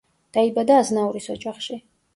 დაიბადა აზნაურის ოჯახში.